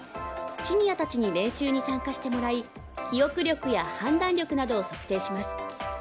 シニアたちに練習に参加してもらい記憶力や判断力などを測定します。